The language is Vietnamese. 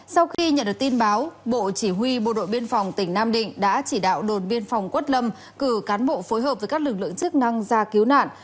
sau khi nhận được tin báo bộ chỉ huy bộ đội biên phòng tỉnh nam định đã chỉ đạo đồn biên phòng quất lâm cử cán bộ phối hợp với các lực lượng chức năng ra cứu nạn